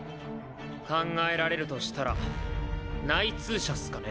考えられるとしたら内通者っスかね。